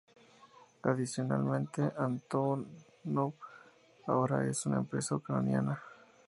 Adicionalmente, Antonov ahora es una empresa ucraniana.